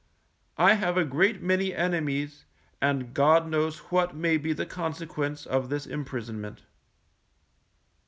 I have a great many enemies, and God knows what may be the consequence of this imprisonment.